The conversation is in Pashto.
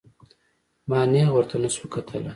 ما نېغ ورته نسو کتلى.